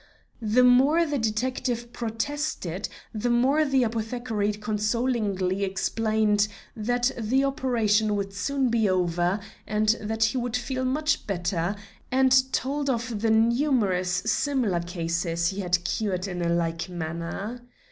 The more the detective protested, the more the apothecary consolingly explained that the operation would soon be over and that he would feel much better, and told of the numerous similar cases he had cured in a like manner.